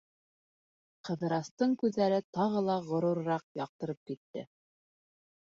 Ҡыҙырастың күҙҙәре тағы ла ғорурыраҡ яҡтырып китте.